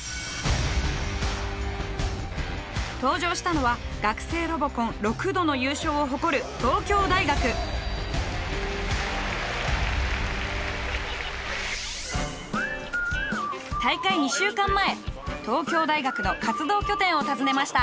登場したのは学生ロボコン６度の優勝を誇る大会２週間前東京大学の活動拠点を訪ねました。